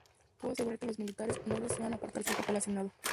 Puedo asegurar que los militares no desean apartarse del papel asignado".